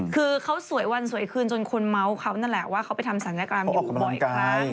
คือเขาสวยวันสวยคืนจนคนเมาส์เขานั่นแหละว่าเขาไปทำศัลยกรรมอยู่บ่อยครั้ง